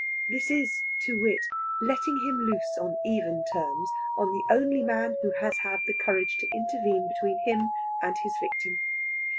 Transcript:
This is, to wit, letting him loose on even terms on the only man who has had the courage to intervene between him and his victim.